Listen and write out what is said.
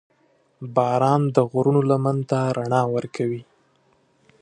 • باران د غرونو لمن ته رڼا ورکوي.